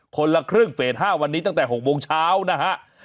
คนละครึ่งเฟส๕วันนี้ตั้งแต่๖โมงเช้านะฮะ